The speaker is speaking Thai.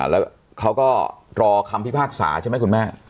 แล้วเขาก็รอคำพิพากษาใช่ไหมคุณแม่